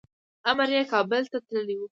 امر یې کابل ته تللی و.